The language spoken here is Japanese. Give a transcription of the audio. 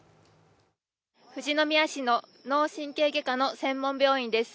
富士宮市の脳神経外科の専門病院です。